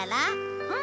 うん。